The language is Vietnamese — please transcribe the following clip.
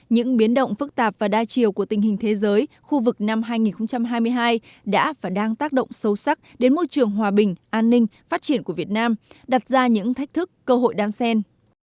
những biến động phức tạp và đa chiều của tình hình thế giới khu vực năm hai nghìn hai mươi hai đã và đang tác động sâu sắc đến môi trường hòa bình an ninh phát triển của việt nam đặt ra những thách thức cơ hội đáng sen